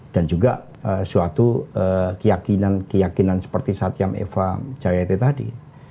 dan juga suatu keyakinan keyakinan seperti satyam eva jayate tadi